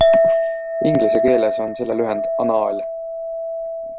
Inglise keeles on selle lühend ANAL.